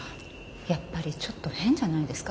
やっぱりちょっと変じゃないですか？